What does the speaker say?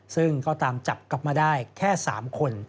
ซึ่งก็ตามจับกลับมาได้แค่๓คน